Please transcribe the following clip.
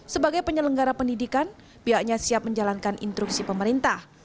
sebagai penyelenggara pendidikan pihaknya siap menjalankan instruksi pemerintah